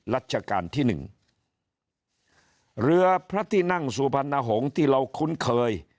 รัชกาลที่หนึ่งเรือพระที่นั่งสุพรรณหงษ์ที่เราคุ้นเคย